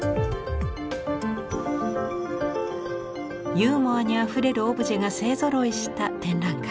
ユーモアにあふれるオブジェが勢ぞろいした展覧会。